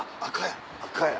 赤や。